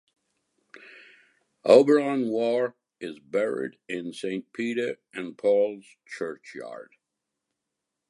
Auberon Waugh is buried in Saint Peter and Paul's churchyard.